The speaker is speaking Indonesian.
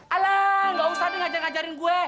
alah nggak usah dia ngajarin ngajarin gue